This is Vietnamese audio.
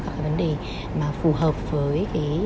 các vấn đề mà phù hợp với